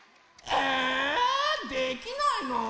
えできないの？